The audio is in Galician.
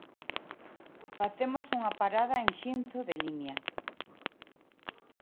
Facemos unha parada en Xinzo de Limia.